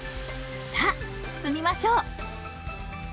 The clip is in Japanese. さあ包みましょう！